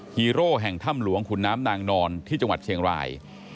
ฮีโร่แห่งถ้ำหลวงขุนน้ำนางนอนที่จังหวัดเชียงราย